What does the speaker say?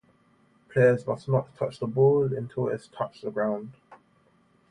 Players must not touch the ball until it has touched the ground.